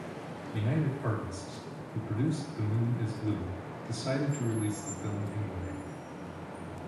United Artists, who produced "The Moon Is Blue", decided to release the film anyway.